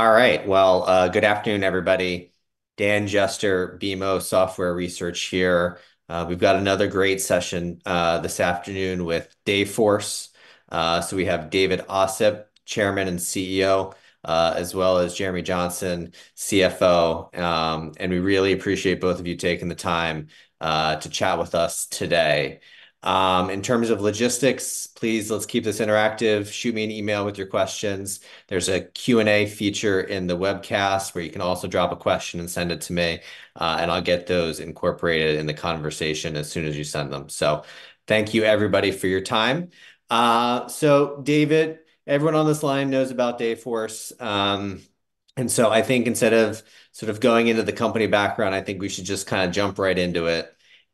All right, well, good afternoon, everybody. Daniel Jester, BMO Capital Markets here. We've got another great session, this afternoon with Dayforce. So we have David Ossip, Chairman and CEO, as well as Jeremy Johnson, CFO. And we really appreciate both of you taking the time, to chat with us today. In terms of logistics, please, let's keep this interactive. Shoot me an email with your questions. There's a Q&A feature in the webcast, where you can also drop a question and send it to me, and I'll get those incorporated in the conversation as soon as you send them. So thank you, everybody, for your time. So David, everyone on this line knows about Dayforce. And so I think instead of sort of going into the company background, I think we should just kind of jump right into it.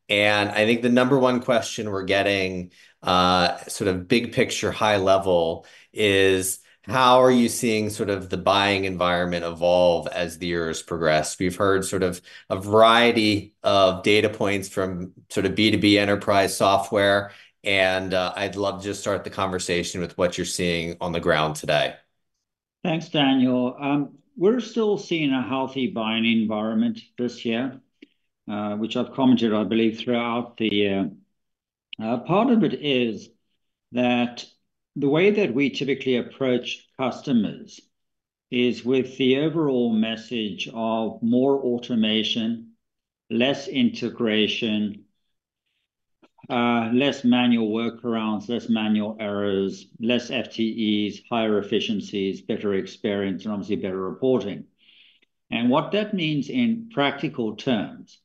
I think the number one question we're getting, sort of big picture, high level, is: How are you seeing sort of the buying environment evolve as the years progress? We've heard sort of a variety of data points from sort of B2B enterprise software, and, I'd love to just start the conversation with what you're seeing on the ground today. Thanks, Daniel. We're still seeing a healthy buying environment this year, which I've commented, I believe, throughout the year. Part of it is that the way that we typically approach customers is with the overall message of more automation, less integration, less manual workarounds, less manual errors, less FTEs, higher efficiencies, better experience, and obviously better reporting. What that means in practical terms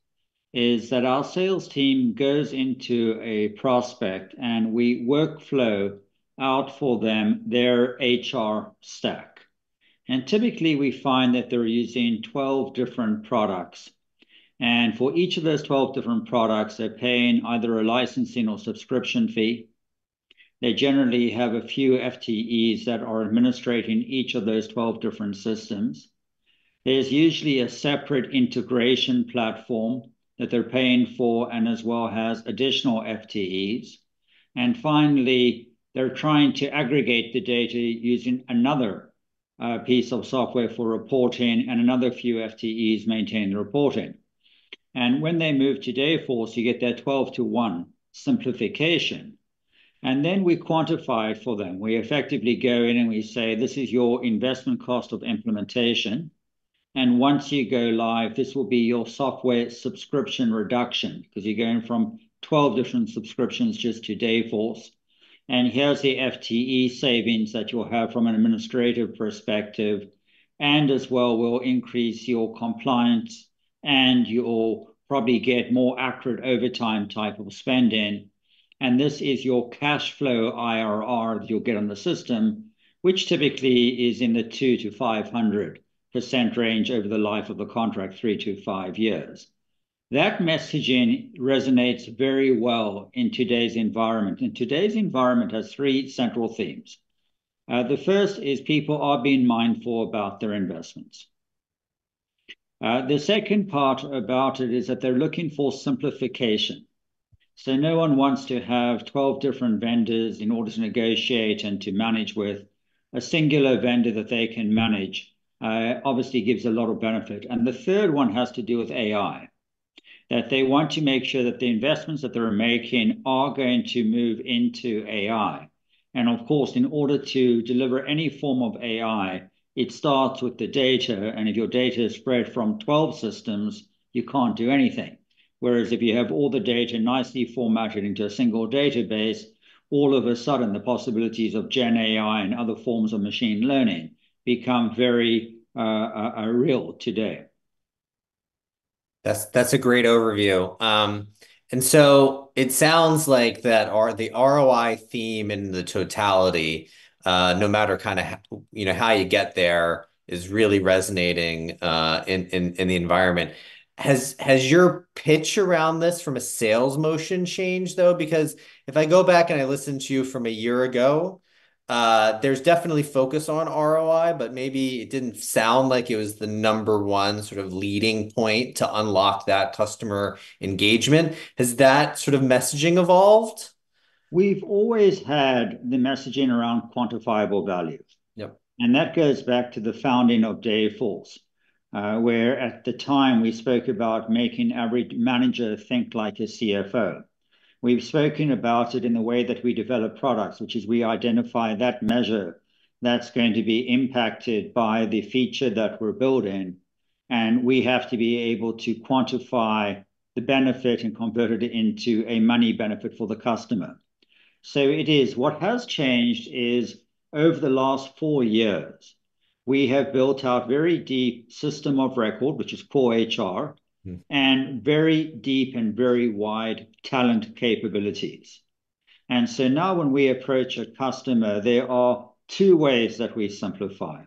is that our sales team goes into a prospect, and we workflow out for them their HR stack. Typically, we find that they're using 12 different products, and for each of those 12 different products, they're paying either a licensing or subscription fee. They generally have a few FTEs that are administering each of those 12 different systems. There's usually a separate integration platform that they're paying for and as well has additional FTEs. And finally, they're trying to aggregate the data using another piece of software for reporting, and another few FTEs maintain the reporting. And when they move to Dayforce, you get that 12-to-1 simplification, and then we quantify it for them. We effectively go in, and we say, "This is your investment cost of implementation, and once you go live, this will be your software subscription reduction, 'cause you're going from 12 different subscriptions just to Dayforce. And here's the FTE savings that you'll have from an administrative perspective, and as well, we'll increase your compliance, and you'll probably get more accurate overtime type of spending. And this is your cash flow IRR that you'll get on the system, which typically is in the 200%-500% range over the life of the contract, three-five years." That messaging resonates very well in today's environment, and today's environment has three central themes. The first is people are being mindful about their investments. The second part about it is that they're looking for simplification. No one wants to have 12 different vendors in order to negotiate and to manage with. A singular vendor that they can manage, obviously gives a lot of benefit. The third one has to do with AI, that they want to make sure that the investments that they're making are going to move into AI. Of course, in order to deliver any form of AI, it starts with the data, and if your data is spread from 12 systems, you can't do anything. Whereas if you have all the data nicely formatted into a single database, all of a sudden, the possibilities of GenAI and other forms of machine learning become very real today. That's a great overview. And so it sounds like our ROI theme in the totality, no matter kind of you know how you get there, is really resonating in the environment. Has your pitch around this from a sales motion changed, though? Because if I go back and I listen to you from a year ago, there's definitely focus on ROI, but maybe it didn't sound like it was the number one sort of leading point to unlock that customer engagement. Has that sort of messaging evolved? We've always had the messaging around quantifiable value. Yep. And that goes back to the founding of Dayforce, where at the time we spoke about making every manager think like a CFO. We've spoken about it in the way that we develop products, which is we identify that measure that's going to be impacted by the feature that we're building, and we have to be able to quantify the benefit and convert it into a money benefit for the customer. So it is... What has changed is, over the last four years, we have built out very deep system of record, which is core HR- Mm. ... and very deep and very wide talent capabilities. And so now when we approach a customer, there are two ways that we simplify.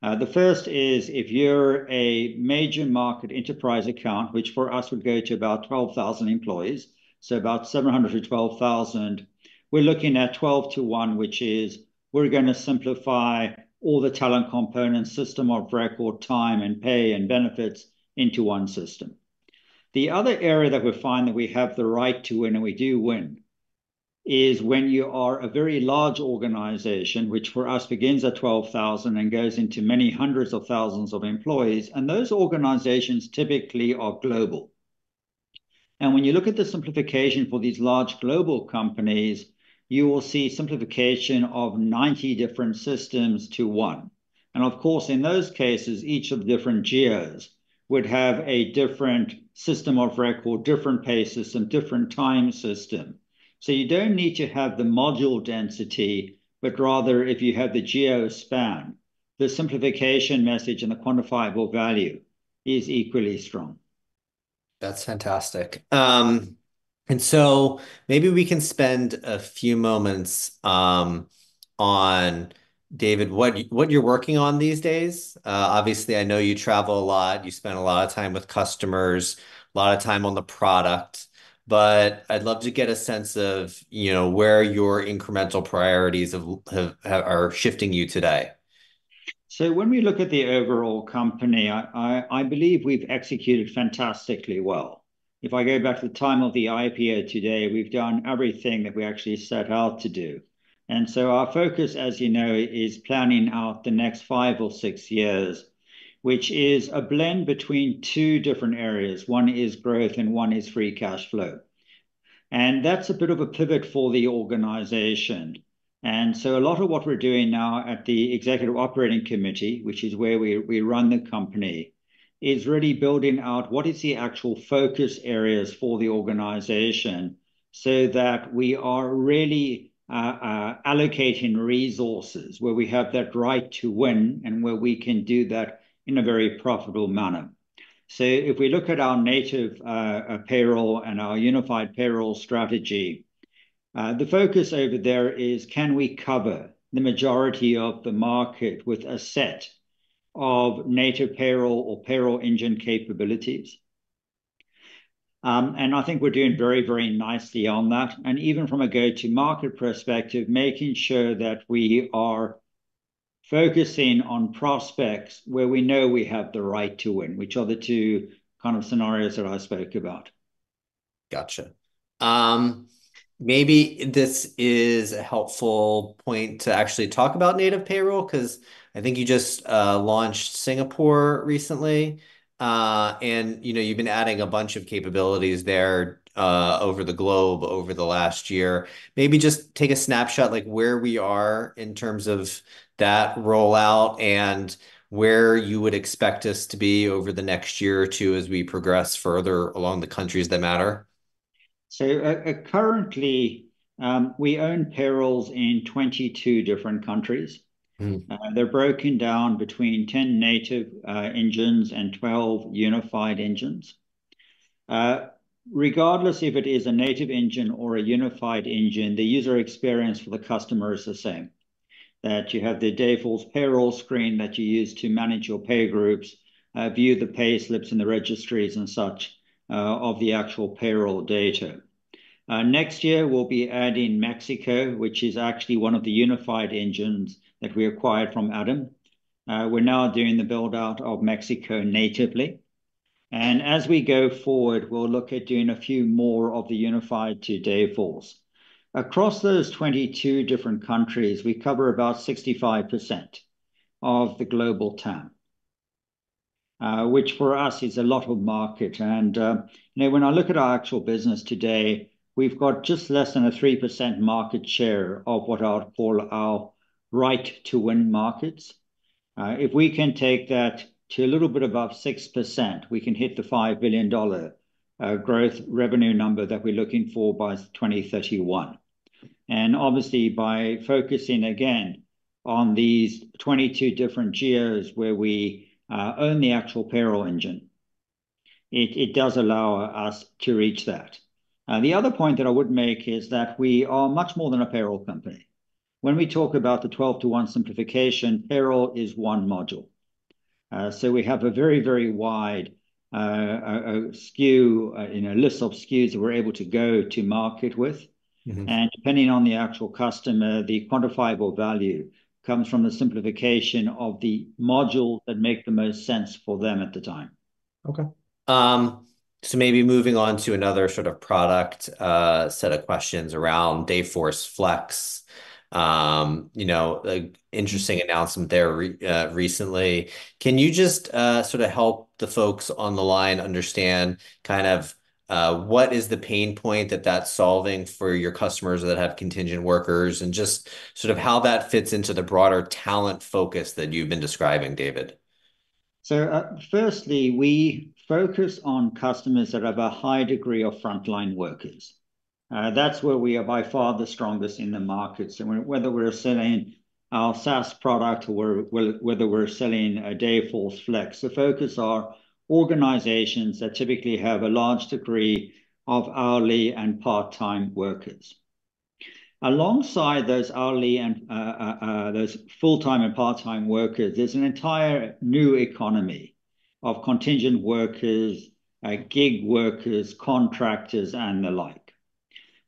The first is, if you're a major market enterprise account, which for us would go to about 12,000 employees, so about 700-12,000, we're looking at 12-to-1, which is, we're gonna simplify all the talent components, system of record, time and pay and benefits into one system. The other area that we find that we have the right to win, and we do win, is when you are a very large organization, which for us begins at 12,000 and goes into many hundreds of thousands of employees, and those organizations typically are global. And when you look at the simplification for these large global companies, you will see simplification of 90 different systems to one. And of course, in those cases, each of the different geos would have a different system of record, different pay system, different time system. So you don't need to have the module density, but rather if you have the geo span, the simplification message and the quantifiable value is equally strong. That's fantastic. And so maybe we can spend a few moments on David, what you're working on these days. Obviously, I know you travel a lot, you spend a lot of time with customers, a lot of time on the product, but I'd love to get a sense of, you know, where your incremental priorities are shifting you today. So when we look at the overall company, I believe we've executed fantastically well. If I go back to the time of the IPO today, we've done everything that we actually set out to do. And so our focus, as you know, is planning out the next five or six years, which is a blend between two different areas. One is growth and one is free cash flow, and that's a bit of a pivot for the organization. And so a lot of what we're doing now at the executive operating committee, which is where we run the company, is really building out what is the actual focus areas for the organization so that we are really allocating resources where we have that right to win and where we can do that in a very profitable manner. So if we look at our native payroll and our unified payroll strategy, the focus over there is, can we cover the majority of the market with a set of native payroll or payroll engine capabilities? I think we're doing very, very nicely on that, and even from a go-to-market perspective, making sure that we are focusing on prospects where we know we have the right to win, which are the two kind of scenarios that I spoke about. Gotcha. Maybe this is a helpful point to actually talk about native payroll, 'cause I think you just launched Singapore recently. And, you know, you've been adding a bunch of capabilities there, over the globe over the last year. Maybe just take a snapshot, like, where we are in terms of that rollout and where you would expect us to be over the next year or two as we progress further along the countries that matter. Currently, we own payrolls in 22 different countries. Mm. They're broken down between 10 native engines and 12 unified engines. Regardless if it is a native engine or a unified engine, the user experience for the customer is the same, that you have the Dayforce payroll screen that you use to manage your pay groups, view the payslips and the registries and such, of the actual payroll data. Next year we'll be adding Mexico, which is actually one of the unified engines that we acquired from Adam. We're now doing the build-out of Mexico natively, and as we go forward, we'll look at doing a few more of the unified to Dayforce. Across those 22 different countries, we cover about 65% of the global TAM, which for us is a lot of market. You know, when I look at our actual business today, we've got just less than a 3% market share of what I'd call our right to win markets. If we can take that to a little bit above 6%, we can hit the $5 billion growth revenue number that we're looking for by 2031. And obviously, by focusing again on these 22 different geos where we own the actual payroll engine, it does allow us to reach that. The other point that I would make is that we are much more than a payroll company. When we talk about the 12-to-1 simplification, payroll is one module. So we have a very, very wide SKU, you know, list of SKUs that we're able to go to market with. Mm-hmm. Depending on the actual customer, the quantifiable value comes from the simplification of the module that make the most sense for them at the time. Okay. So maybe moving on to another sort of product set of questions around Dayforce Flex. You know, an interesting announcement there recently. Can you just sort of help the folks on the line understand kind of what is the pain point that that's solving for your customers that have contingent workers, and just sort of how that fits into the broader talent focus that you've been describing, David? So, firstly, we focus on customers that have a high degree of frontline workers. That's where we are by far the strongest in the market. So whether we're selling our SaaS product or whether we're selling Dayforce Flex, the focus are organizations that typically have a large degree of hourly and part-time workers. Alongside those hourly and those full-time and part-time workers, there's an entire new economy of contingent workers, gig workers, contractors, and the like.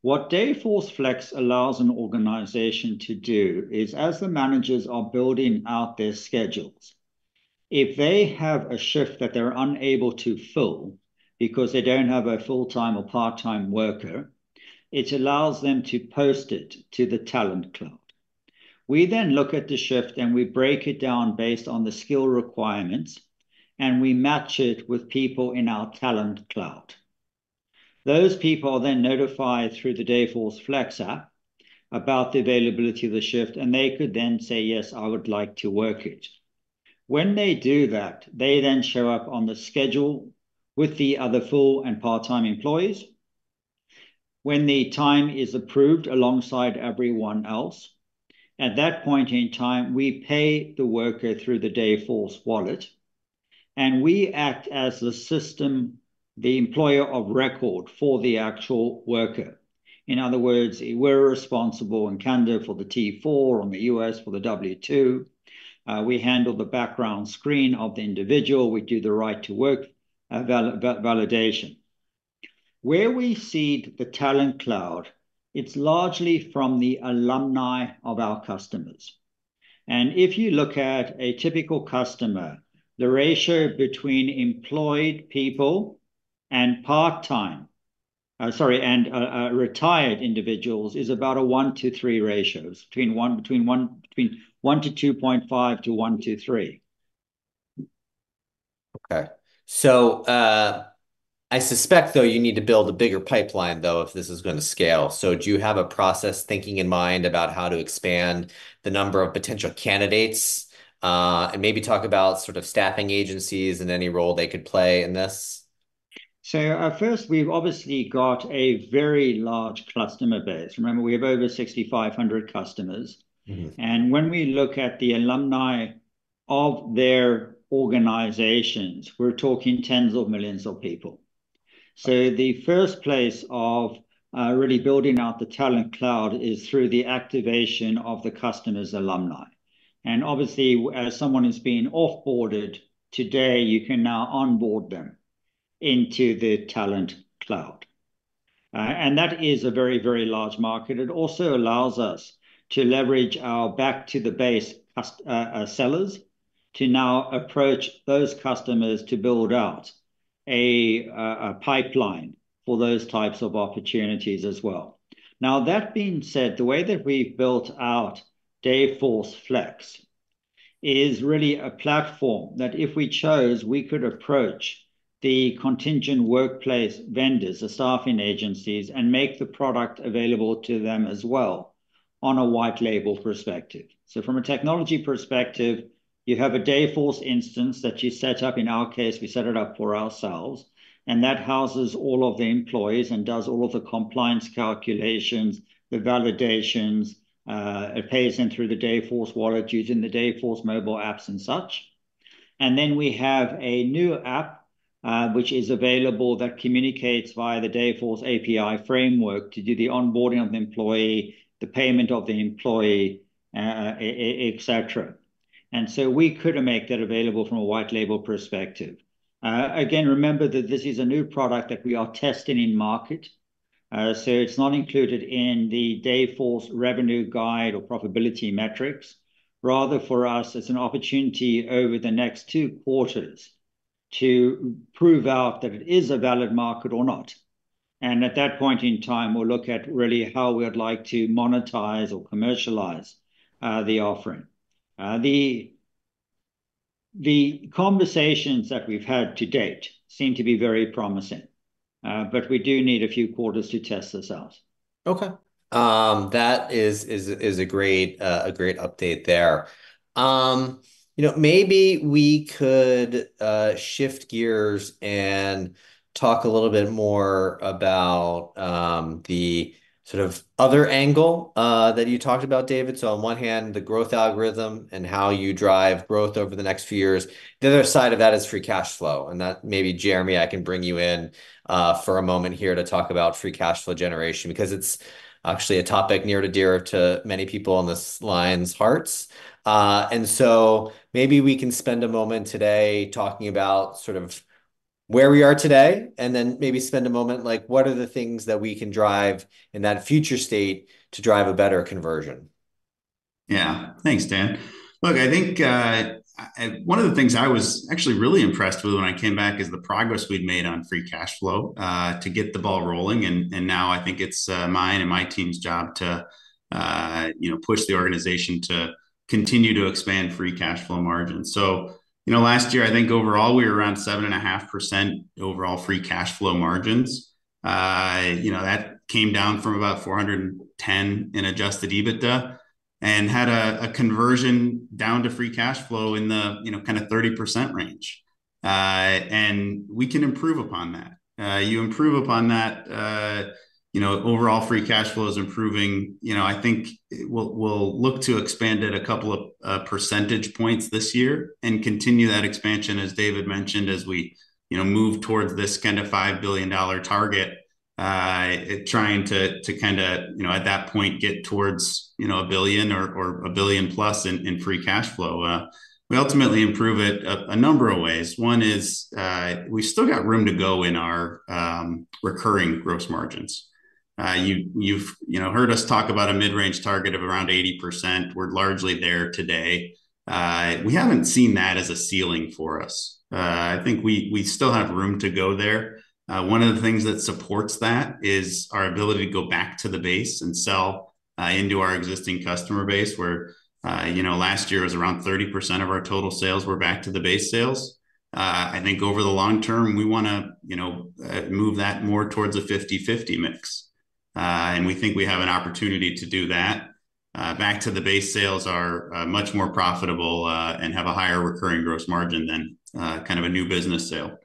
What Dayforce Flex allows an organization to do is, as the managers are building out their schedules, if they have a shift that they're unable to fill because they don't have a full-time or part-time worker, it allows them to post it to the Talent Cloud. We then look at the shift, and we break it down based on the skill requirements, and we match it with people in our Talent Cloud. Those people are then notified through the Dayforce Flex app about the availability of the shift, and they could then say, "Yes, I would like to work it." When they do that, they then show up on the schedule with the other full and part-time employees. When the time is approved alongside everyone else, at that point in time, we pay the worker through the Dayforce Wallet, and we act as the system, the employer of record for the actual worker. In other words, we're responsible in Canada for the T4, or in the US for the W-2. We handle the background screen of the individual. We do the right-to-work validation. Where we see the Talent Cloud, it's largely from the alumni of our customers, and if you look at a typical customer, the ratio between employed people and retired individuals is about a 1-to-3 ratio. It's between 1-2.5 to 1-3. Okay. So, I suspect, though, you need to build a bigger pipeline, though, if this is gonna scale. So do you have a process thinking in mind about how to expand the number of potential candidates? And maybe talk about sort of staffing agencies and any role they could play in this. First, we've obviously got a very large customer base. Remember, we have over 6,500 customers. Mm-hmm. When we look at the alumni of their organizations, we're talking tens of millions of people. So the first place of really building out the Talent Cloud is through the activation of the customer's alumni, and obviously, as someone who's been off-boarded today, you can now onboard them into the Talent Cloud. And that is a very, very large market. It also allows us to leverage our back-to-the-base sellers to now approach those customers to build out a pipeline for those types of opportunities as well. Now, that being said, the way that we've built out Dayforce Flex is really a platform that, if we chose, we could approach the contingent workplace vendors, the staffing agencies, and make the product available to them as well on a white label perspective. So from a technology perspective, you have a Dayforce instance that you set up. In our case, we set it up for ourselves, and that houses all of the employees and does all of the compliance calculations, the validations. It pays them through the Dayforce Wallet, using the Dayforce mobile apps and such. And then we have a new app which is available that communicates via the Dayforce API framework to do the onboarding of the employee, the payment of the employee, et cetera. And so we could make that available from a white label perspective. Again, remember that this is a new product that we are testing in market, so it's not included in the Dayforce revenue guide or profitability metrics. Rather, for us, it's an opportunity over the next two quarters to prove out that it is a valid market or not, and at that point in time, we'll look at really how we would like to monetize or commercialize the offering. The conversations that we've had to date seem to be very promising, but we do need a few quarters to test this out. Okay. That is a great update there. You know, maybe we could shift gears and talk a little bit more about the sort of other angle that you talked about, David. So on one hand, the growth algorithm and how you drive growth over the next few years. The other side of that is free cash flow, and that maybe Jeremy, I can bring you in for a moment here to talk about free cash flow generation, because it's actually a topic near and dear to many people on this line's hearts. And so maybe we can spend a moment today talking about sort of where we are today, and then maybe spend a moment, like, what are the things that we can drive in that future state to drive a better conversion? Yeah. Thanks, Daniel. Look, I think, one of the things I was actually really impressed with when I came back is the progress we'd made on free cash flow, to get the ball rolling, and now I think it's, mine and my team's job to, you know, push the organization to continue to expand free cash flow margins. So, you know, last year, I think overall, we were around 7.5% overall free cash flow margins. You know, that came down from about $410 in Adjusted EBITDA and had a, a conversion down to free cash flow in the, you know, kind of 30% range. And we can improve upon that. You improve upon that, you know, overall free cash flow is improving. You know, I think we'll, we'll look to expand it a couple of percentage points this year and continue that expansion, as David mentioned, as we, you know, move towards this kinda $5 billion target. Trying to, to kinda, you know, at that point, get towards, you know, a $1 billion or, or a $1 billion-plus in, in free cash flow. We ultimately improve it a, a number of ways. One is, we've still got room to go in our, recurring gross margins. You, you've, you know, heard us talk about a mid-range target of around 80%. We're largely there today. I think we, we still have room to go there. One of the things that supports that is our ability to go back-to-the-base and sell into our existing customer base, where you know, last year was around 30% of our total sales were back-to-the-base sales. I think over the long term, we wanna you know, move that more towards a 50/50 mix. We think we have an opportunity to do that. Back-to-the-base sales are much more profitable and have a higher recurring gross margin than kind of a new business sale.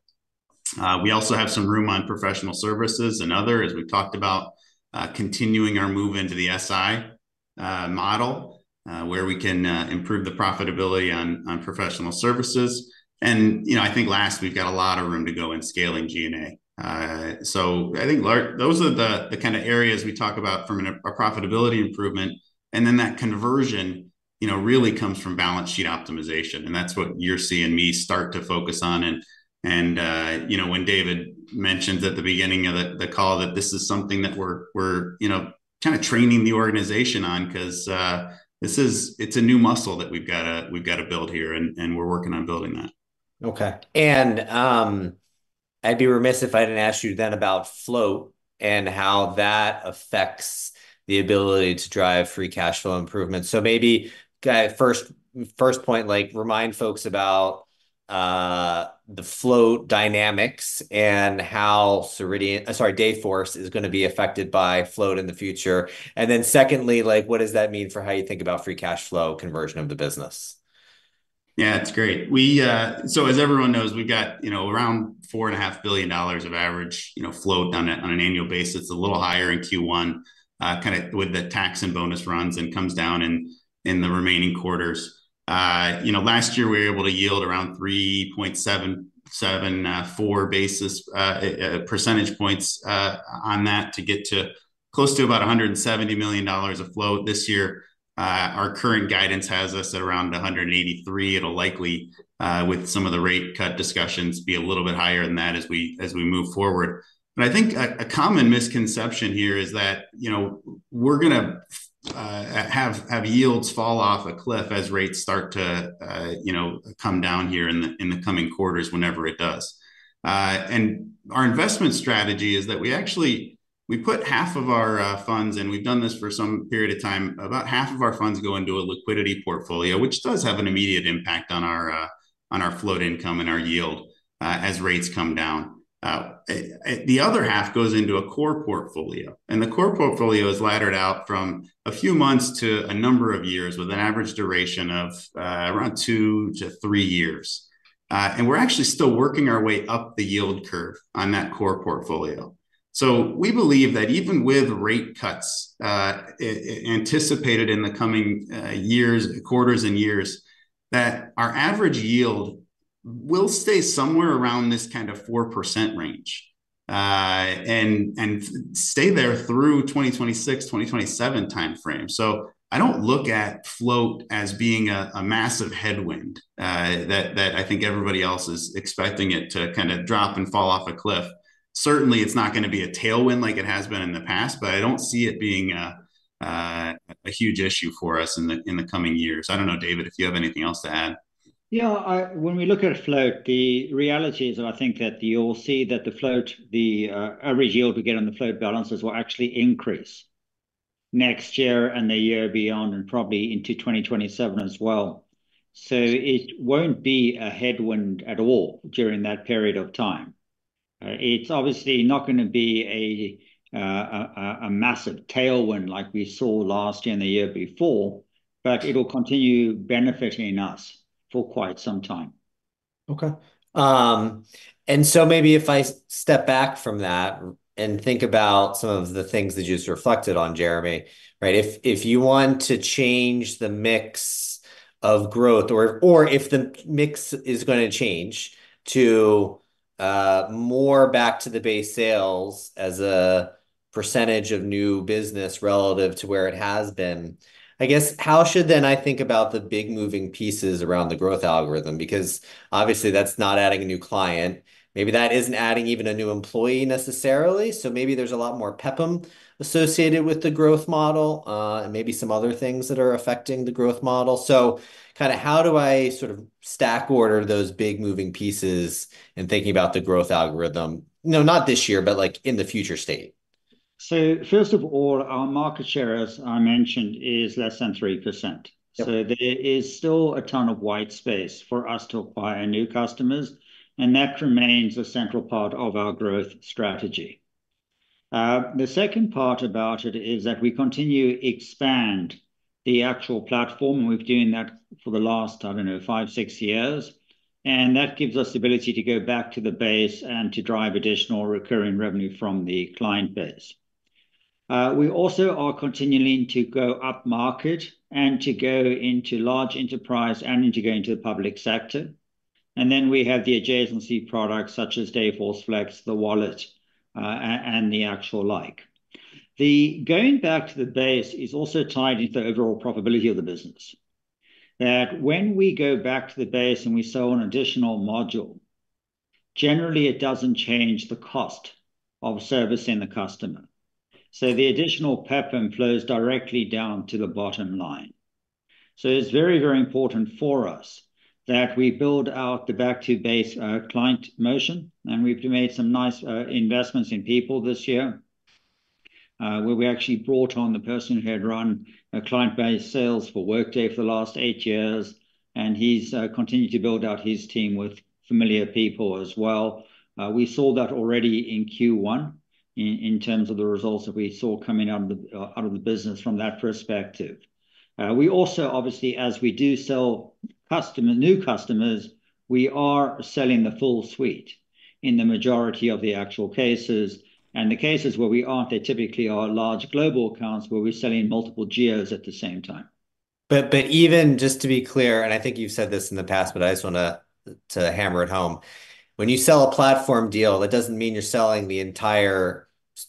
We also have some room on professional services and other, as we've talked about, continuing our move into the SI model, where we can improve the profitability on professional services. And, you know, I think last, we've got a lot of room to go in scaling G&A. So I think those are the, the kind of areas we talk about from a profitability improvement, and then that conversion, you know, really comes from balance sheet optimization, and that's what you're seeing me start to focus on. And, you know, when David mentioned at the beginning of the call that this is something that we're, you know, kind of training the organization on, 'cause this is... It's a new muscle that we've gotta build here, and we're working on building that. Okay. And, I'd be remiss if I didn't ask you then about float and how that affects the ability to drive free cash flow improvement. So maybe, first point, like, remind folks about the float dynamics and how Ceridian, sorry, Dayforce is gonna be affected by float in the future. And then secondly, like, what does that mean for how you think about free cash flow conversion of the business? Yeah, it's great. We... So as everyone knows, we've got, you know, around $4.5 billion of average, you know, float on a, on an annual basis. It's a little higher in Q1, kind of with the tax and bonus runs, and comes down in, in the remaining quarters. You know, last year, we were able to yield around 3.774 percentage points on that to get to close to about $170 million of float. This year, our current guidance has us at around $183 million. It'll likely, with some of the rate cut discussions, be a little bit higher than that as we- as we move forward. But I think a common misconception here is that, you know, we're gonna have yields fall off a cliff as rates start to, you know, come down here in the coming quarters, whenever it does. And our investment strategy is that we actually, we put half of our funds, and we've done this for some period of time. About half of our funds go into a liquidity portfolio, which does have an immediate impact on our float income and our yield as rates come down. The other half goes into a core portfolio, and the core portfolio is laddered out from a few months to a number of years, with an average duration of around two to three years. And we're actually still working our way up the yield curve on that core portfolio. So we believe that even with rate cuts anticipated in the coming quarters and years, that our average yield will stay somewhere around this kind of 4% range, and stay there through 2026, 2027 timeframe. So I don't look at float as being a massive headwind that I think everybody else is expecting it to kind of drop and fall off a cliff. Certainly, it's not gonna be a tailwind like it has been in the past, but I don't see it being a huge issue for us in the coming years. I don't know, David, if you have anything else to add. Yeah, when we look at float, the reality is, I think that you'll see that the float, the average yield we get on the float balances will actually increase next year and the year beyond, and probably into 2027 as well. So it won't be a headwind at all during that period of time. It's obviously not gonna be a massive tailwind like we saw last year and the year before, but it'll continue benefiting us for quite some time. Okay. And so maybe if I step back from that and think about some of the things that you just reflected on, Jeremy, right? If you want to change the mix of growth or if the mix is gonna change to more back-to-the-base sales as a percentage of new business relative to where it has been, I guess, how should I then think about the big moving pieces around the growth algorithm? Because obviously, that's not adding a new client. Maybe that isn't adding even a new employee necessarily, so maybe there's a lot more PEPM associated with the growth model, and maybe some other things that are affecting the growth model. So kind of how do I sort of stack order those big moving pieces in thinking about the growth algorithm? No, not this year, but, like, in the future state. First of all, our market share, as I mentioned, is less than 3%. Yep. So there is still a ton of white space for us to acquire new customers, and that remains a central part of our growth strategy. The second part about it is that we continue to expand the actual platform, and we've been doing that for the last, I don't know, five, six years, and that gives us the ability to go back to the base and to drive additional recurring revenue from the client base. We also are continuing to go upmarket and to go into large enterprise and into going to the public sector. And then we have the adjacency products, such as Dayforce Flex, the Wallet, and the actual like. The going back to the base is also tied into the overall profitability of the business. That when we go back to the base and we sell an additional module-... Generally, it doesn't change the cost of servicing the customer. So the additional PEP flows directly down to the bottom line. So it's very, very important for us that we build out the back-to-base, client motion, and we've made some nice, investments in people this year, where we actually brought on the person who had run, client-based sales for Workday for the last eight years, and he's, continued to build out his team with familiar people as well. We saw that already in Q1 in terms of the results that we saw coming out of the business from that perspective. We also, obviously, as we do sell customer- new customers, we are selling the full suite in the majority of the actual cases. The cases where we aren't, they typically are large global accounts, where we're selling multiple geos at the same time. But even just to be clear, and I think you've said this in the past, but I just wanna to hammer it home. When you sell a platform deal, that doesn't mean you're selling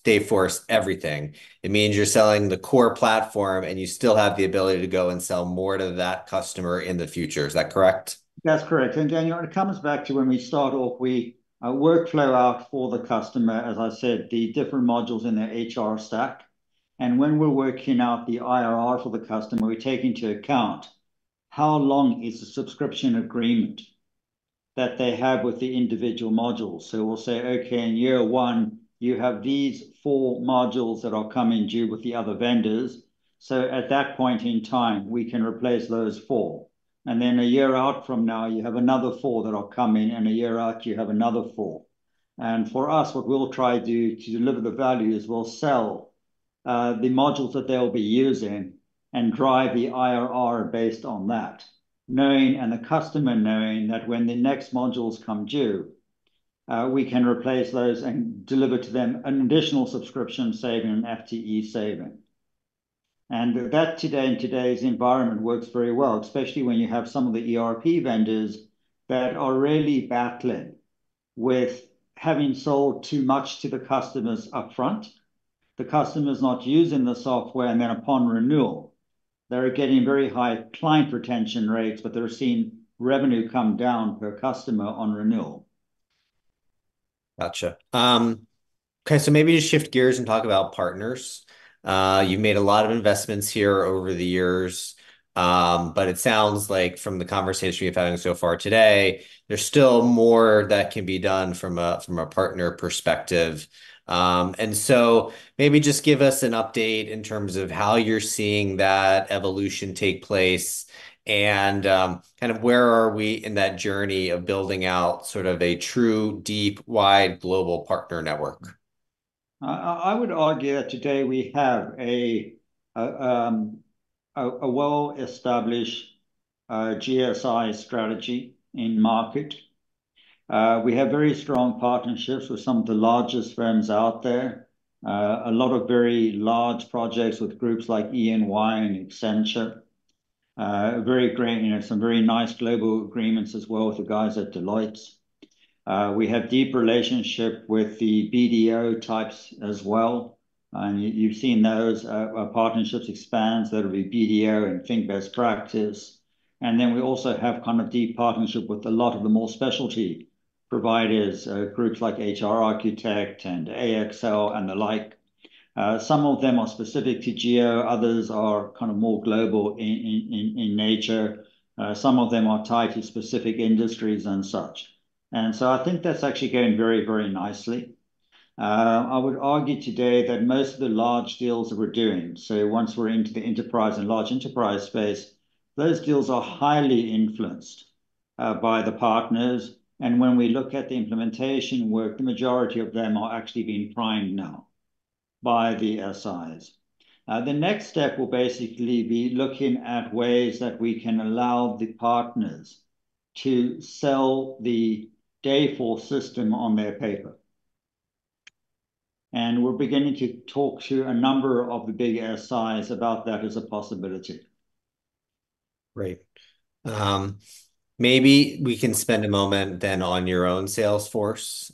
the entire Dayforce everything. It means you're selling the core platform, and you still have the ability to go and sell more to that customer in the future. Is that correct? That's correct. And, Daniel, it comes back to when we start off, we workflow out for the customer, as I said, the different modules in their HR stack. And when we're working out the IRR for the customer, we take into account how long is the subscription agreement that they have with the individual modules. So we'll say, "Okay, in year one, you have these four modules that are coming due with the other vendors. So at that point in time, we can replace those four. And then a year out from now, you have another four that are coming, and a year out, you have another four." For us, what we'll try to do to deliver the value is we'll sell the modules that they'll be using and drive the IRR based on that, knowing, and the customer knowing, that when the next modules come due, we can replace those and deliver to them an additional subscription saving and FTE saving. That today, in today's environment, works very well, especially when you have some of the ERP vendors that are really battling with having sold too much to the customers upfront, the customer's not using the software, and then upon renewal, they're getting very high client retention rates, but they're seeing revenue come down per customer on renewal. Gotcha. Okay, so maybe just shift gears and talk about partners. You've made a lot of investments here over the years, but it sounds like from the conversation we've having so far today, there's still more that can be done from a partner perspective. And so maybe just give us an update in terms of how you're seeing that evolution take place, and kind of where are we in that journey of building out sort of a true, deep, wide global partner network? I would argue that today we have a well-established GSI strategy in market. We have very strong partnerships with some of the largest firms out there. A lot of very large projects with groups like EY and Accenture. Very great, you know, some very nice global agreements as well with the guys at Deloitte. We have deep relationship with the BDO types as well, and you've seen those partnerships expand, so that'll be BDO and Thinkmax. And then we also have kind of deep partnership with a lot of the more specialty providers, groups like HRchitect and Axsium, and the like. Some of them are specific to geo, others are kind of more global in nature. Some of them are tied to specific industries and such. I think that's actually going very, very nicely. I would argue today that most of the large deals that we're doing, so once we're into the enterprise and large enterprise space, those deals are highly influenced by the partners. When we look at the implementation work, the majority of them are actually being primed now by the SIs. The next step will basically be looking at ways that we can allow the partners to sell the Dayforce system on their paper. We're beginning to talk to a number of the big SIs about that as a possibility. Great. Maybe we can spend a moment then on your own sales force.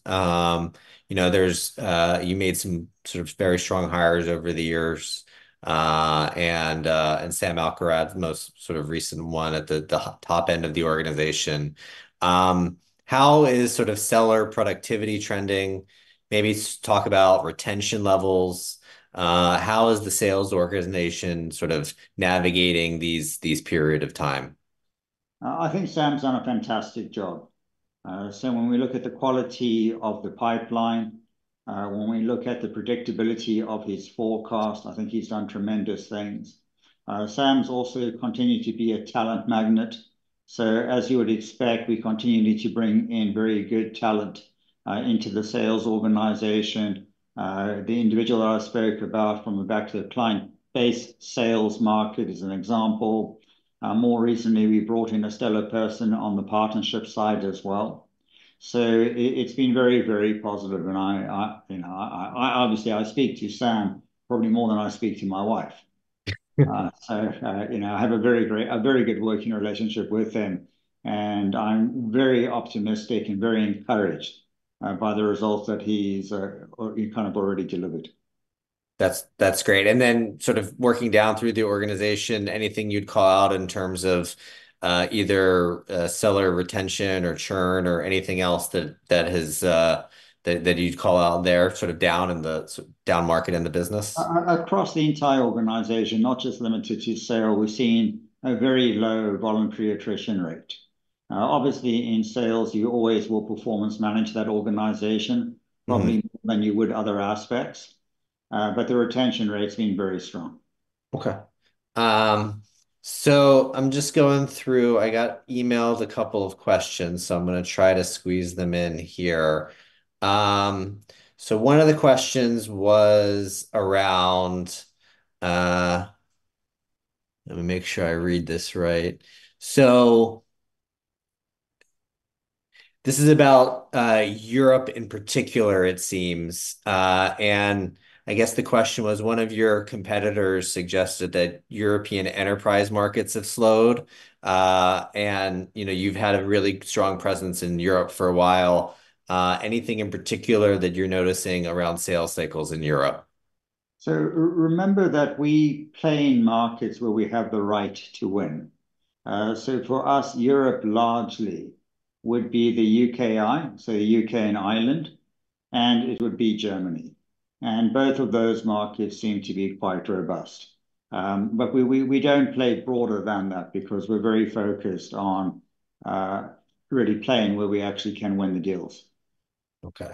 You know, there's... You made some sort of very strong hires over the years, and Sam Alkharrat, the most sort of recent one at the top end of the organization. How is sort of seller productivity trending? Maybe talk about retention levels. How is the sales organization sort of navigating this period of time? I think Sam's done a fantastic job. So when we look at the quality of the pipeline, when we look at the predictability of his forecast, I think he's done tremendous things. Sam's also continued to be a talent magnet, so as you would expect, we continue to bring in very good talent into the sales organization. The individual I spoke about from a back-to-the-base sales is an example. More recently, we brought in a stellar person on the partnership side as well. So it's been very, very positive, and, you know, obviously, I speak to Sam probably more than I speak to my wife. So, you know, I have a very good working relationship with him, and I'm very optimistic and very encouraged by the results that he's or he kind of already delivered. ... That's, that's great. And then sort of working down through the organization, anything you'd call out in terms of either seller retention or churn or anything else that has, that you'd call out there, sort of down in the down market in the business? Across the entire organization, not just limited to sales, we're seeing a very low voluntary attrition rate. Obviously, in sales, you always will performance manage that organization- Mm... probably more than you would other aspects. But the retention rate's been very strong. Okay. So I'm just going through... I got emailed a couple of questions, so I'm gonna try to squeeze them in here. So one of the questions was around, let me make sure I read this right. So this is about, Europe in particular, it seems. And I guess the question was, one of your competitors suggested that European enterprise markets have slowed. And, you know, you've had a really strong presence in Europe for a while. Anything in particular that you're noticing around sales cycles in Europe? So remember that we play in markets where we have the right to win. So for us, Europe largely would be the UKI, so the UK and Ireland, and it would be Germany, and both of those markets seem to be quite robust. But we don't play broader than that because we're very focused on really playing where we actually can win the deals. Okay.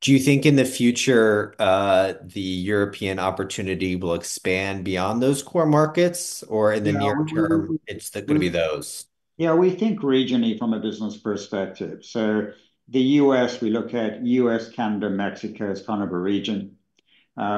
Do you think in the future, the European opportunity will expand beyond those core markets? Yeah. Or in the near term, it's gonna be those? Yeah, we think regionally from a business perspective. So the US, we look at US, Canada, Mexico, as kind of a region.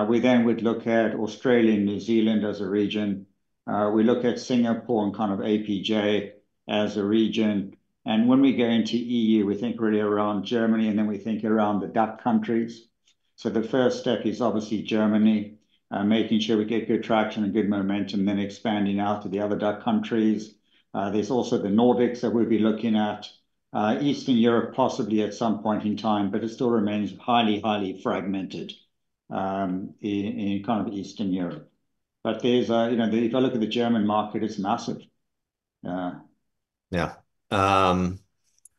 We then would look at Australia and New Zealand as a region. We look at Singapore and kind of APJ as a region. And when we go into EU, we think really around Germany, and then we think around the DACH countries. So the first step is obviously Germany, making sure we get good traction and good momentum, then expanding out to the other DACH countries. There's also the Nordics that we'll be looking at, Eastern Europe, possibly at some point in time, but it still remains highly, highly fragmented, in kind of Eastern Europe. But there's a, you know, if I look at the German market, it's massive. Yeah.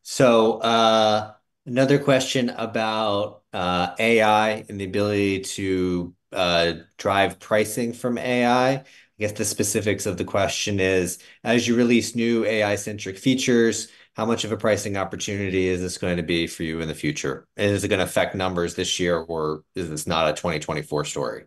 So, another question about AI and the ability to drive pricing from AI. I guess the specifics of the question is: as you release new AI-centric features, how much of a pricing opportunity is this going to be for you in the future? And is it gonna affect numbers this year, or is this not a 2024 story?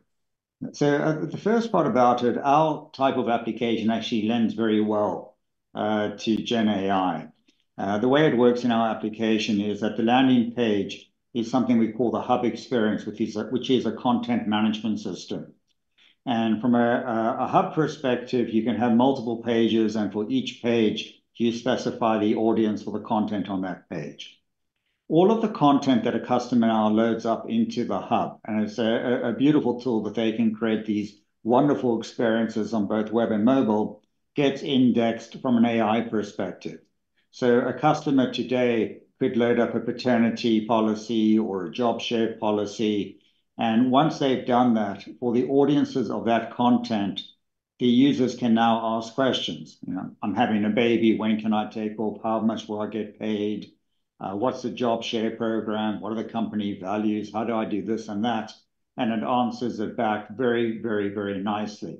So, the first part about it, our type of application actually lends very well to GenAI. The way it works in our application is that the landing page is something we call the Hub experience, which is a content management system. And from a Hub perspective, you can have multiple pages, and for each page, you specify the audience or the content on that page. All of the content that a customer now loads up into the Hub, and it's a beautiful tool that they can create these wonderful experiences on both web and mobile, gets indexed from an AI perspective. So a customer today could load up a paternity policy or a job share policy, and once they've done that, for the audiences of that content, the users can now ask questions. You know, "I'm having a baby, when can I take off? How much will I get paid? What's the job share program? What are the company values? How do I do this and that?" And it answers it back very, very, very nicely.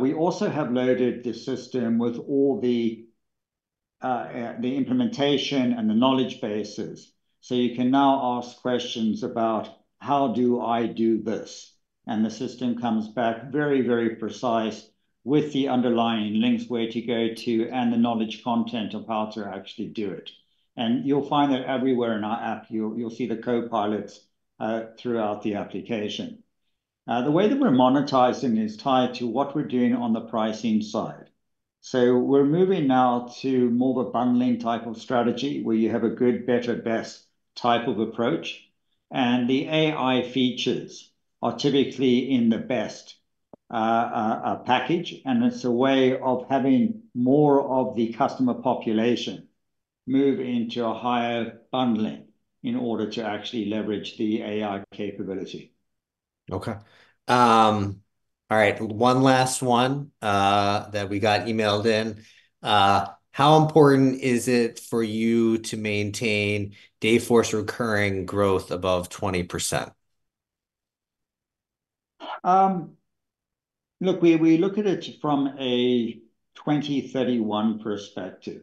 We also have loaded the system with all the, the implementation and the knowledge bases. So you can now ask questions about, "How do I do this?" And the system comes back very, very precise with the underlying links, where to go to, and the knowledge content of how to actually do it. And you'll find that everywhere in our app, you'll, you'll see the Copilots, throughout the application. The way that we're monetizing is tied to what we're doing on the pricing side. So we're moving now to more of a bundling type of strategy, where you have a good, better, best type of approach. The AI features are typically in the best package, and it's a way of having more of the customer population move into a higher bundling in order to actually leverage the AI capability. Okay. All right, one last one that we got emailed in. How important is it for you to maintain Dayforce recurring growth above 20%? Look, we look at it from a 2031 perspective,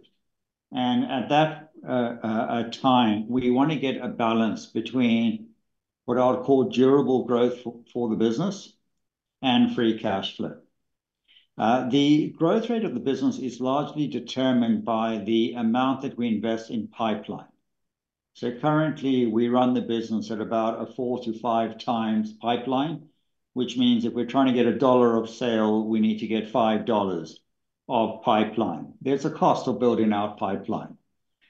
and at that time, we wanna get a balance between what I would call durable growth for the business and free cash flow. The growth rate of the business is largely determined by the amount that we invest in pipeline. So currently, we run the business at about a four-five x pipeline, which means if we're trying to get $1 of sale, we need to get $5 of pipeline. There's a cost of building our pipeline.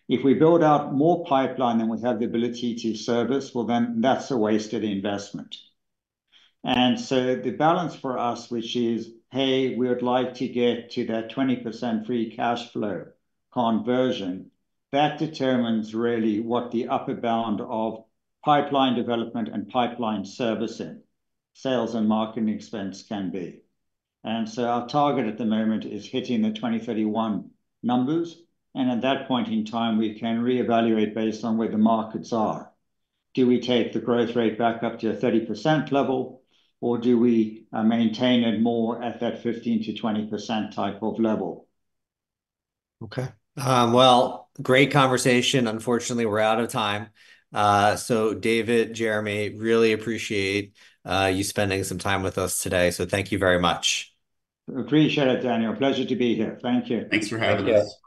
If we build out more pipeline than we have the ability to service, well, then that's a wasted investment. So the balance for us, which is, hey, we would like to get to that 20% free cash flow conversion, that determines really what the upper bound of pipeline development and pipeline servicing, sales and marketing expense can be. So our target at the moment is hitting the 2031 numbers, and at that point in time, we can reevaluate based on where the markets are. Do we take the growth rate back up to a 30% level, or do we maintain it more at that 15%-20% type of level? Okay. Well, great conversation. Unfortunately, we're out of time. So David, Jeremy, really appreciate you spending some time with us today, so thank you very much. Appreciate it, Daniel. Pleasure to be here. Thank you. Thanks for having us.